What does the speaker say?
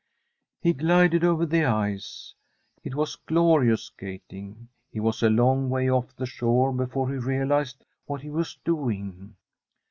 He glided over the ice ; it was glorious skating. He was a long way off the shore before he real ized what he was doing.